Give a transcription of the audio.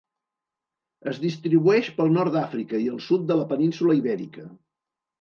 Es distribueix pel nord d'Àfrica i el sud de la península Ibèrica.